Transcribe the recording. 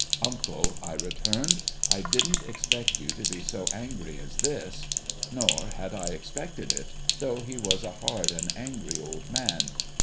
' Uncle,' I returned, ' I didn't expect you to be so angry as this.' Nor had I expected it, though he was a hard and angry old man.